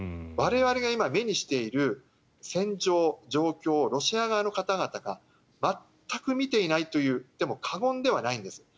我々が今、目にしている戦場、状況ロシア側の方々が全く見ていないといっても過言ではないんです。